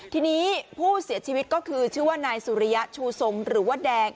ทีนี้ผู้เสียชีวิตก็คือชื่อว่านายสุริยะชูทรงหรือว่าแดง